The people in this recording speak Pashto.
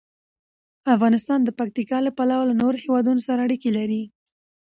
افغانستان د پکتیکا له پلوه له نورو هېوادونو سره اړیکې لري.